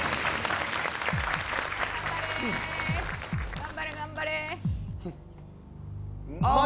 頑張れ、頑張れ。